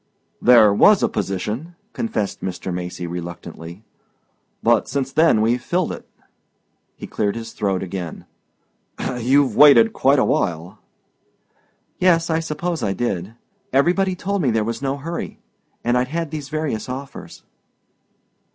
"There was a position," confessed Mr. Macy reluctantly, "but since then we've filled it." He cleared his throat again. "You've waited quite a while." "Yes, I suppose I did. Everybody told me there was no hurry and I'd had these various offers."